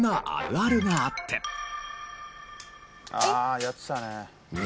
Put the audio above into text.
ああやってたね。